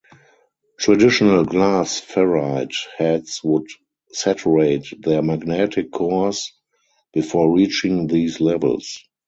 Traditional glass ferrite heads would saturate their magnetic cores before reaching these levels.